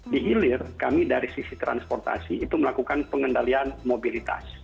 di hilir kami dari sisi transportasi itu melakukan pengendalian mobilitas